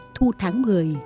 thu tháng một mươi